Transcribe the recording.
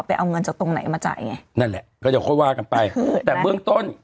เอาเงินจากตรงไหนมาจ่ายไงนั่นแหละก็จะค่อยว่ากันไปคือแต่เบื้องต้น